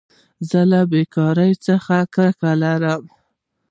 زه له بېکارۍ څخه کرکه لرم.